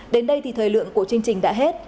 đến đây thì thời lượng của chương trình đã hết